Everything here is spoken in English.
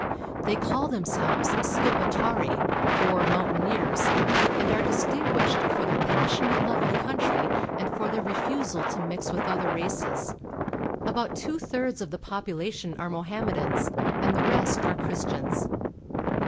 They call themselves Skipetari, or mountaineers, and are distin guished for their passionate love of country and for their refusal to mix with other races. About two tliirds of the population are Mohammedans, and the rest are Christians.